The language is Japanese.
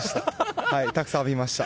たくさん浴びました。